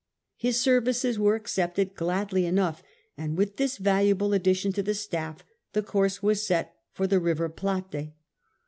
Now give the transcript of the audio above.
His services were accepted gladly enough, and with this valuable addition to the ^ staff, the course was laid for the Eiver Plate.